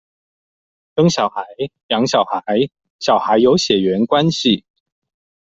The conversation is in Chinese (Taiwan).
生小孩、養小孩、小孩有血緣關係